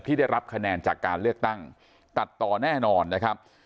ได้รับคะแนนจากการเลือกตั้งตัดต่อแน่นอนนะครับ